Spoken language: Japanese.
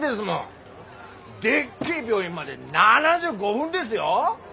でっけえ病院まで７５分ですよ？